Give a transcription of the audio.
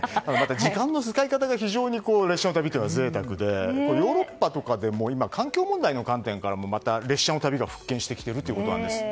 時間の使い方が非常に列車の旅は贅沢でヨーロッパとかでも今、環境問題の観点からもまた列車の旅が復権してきているんです。